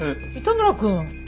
糸村くん。